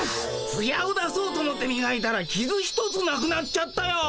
つやを出そうとおもってみがいたらきず一つなくなっちゃったよ。